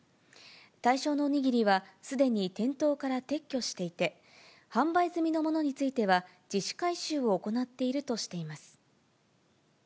対象のお握りはすでに店頭から撤去していて、販売済みのものについては、自主回収を行っているとしています。